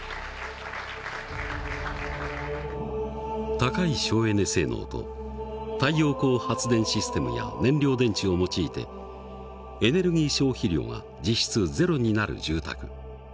高い省エネ性能と太陽光発電システムや燃料電池を用いてエネルギー消費量が実質ゼロになる住宅。